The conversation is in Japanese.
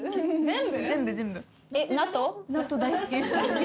全部全部大好き？